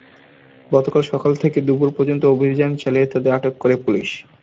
গতকাল সকাল থেকে দুপুর পর্যন্ত অভিযান চালিয়ে তাঁদের আটক করে পুলিশ।